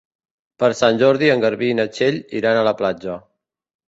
Per Sant Jordi en Garbí i na Txell iran a la platja.